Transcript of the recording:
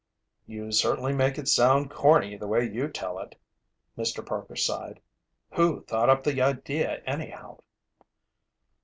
"You certainly make it sound corny the way you tell it," Mr. Parker sighed. "Who thought up the idea anyhow?"